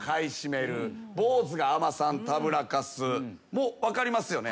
もう分かりますよね？